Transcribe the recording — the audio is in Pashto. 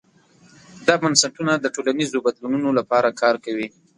دا بنسټونه د ټولنیزو بدلونونو لپاره کار کوي.